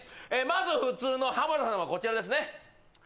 まず普通の浜田さんはこちらですね